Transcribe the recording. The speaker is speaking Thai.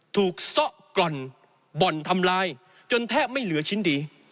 ซ่อกร่อนบ่อนทำลายจนแทบไม่เหลือชิ้นดี